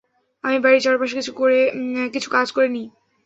আমি বাড়ির চারপাশে কিছু কাজ করে নিই।